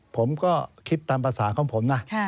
ผมก็คิดตามภาษาของผมนะ